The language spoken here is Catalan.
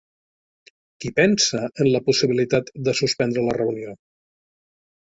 Qui pensa en la possibilitat de suspendre la reunió?